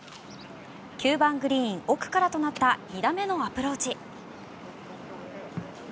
９番グリーン、奥からとなった２打目のアプローチ。